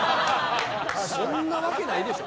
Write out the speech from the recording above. そんなわけないでしょ。